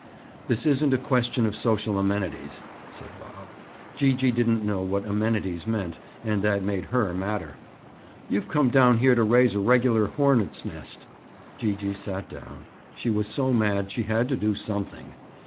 "This isn't a question of social amenities," said Bob. Gee gee didn't know what "amenities" meant and that made her madder. "You've come down here to raise a regular hornet's nest." Gee gee sat down. She was so mad she had to do something.